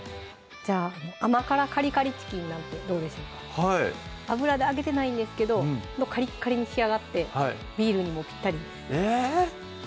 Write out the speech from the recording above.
じゃあ「甘辛カリカリチキン」なんてどうでしょうか油で揚げてないんですけどカリカリに仕上がってビールにもぴったりですえ！